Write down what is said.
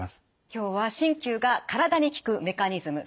今日は鍼灸が体に効くメカニズム。